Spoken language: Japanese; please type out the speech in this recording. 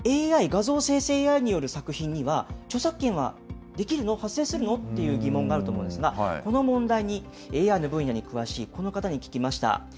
ＡＩ、画像生成ＡＩによる作品には、著作権はできるの、発生するのっていう疑問があると思うんですが、この問題に、ＡＩの分野に詳しいこの方に聞きました。